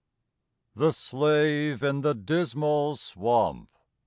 THE SLAVE IN THE DISMAL SWAMP.